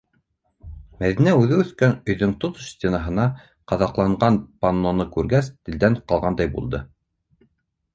Мәҙинә үҙе үҫкән өйҙөң тотош стенаһына ҡаҙаҡланған панноны күргәс телдән ҡалғандай булды.